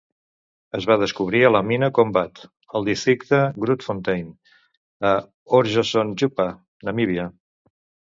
Es va descobrir a la mina Kombat, al districte Grootfontein, a Orjozondjupa, Namíbia.